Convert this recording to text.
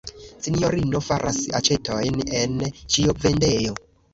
Sinjorino faras aĉetojn en ĉiovendejo.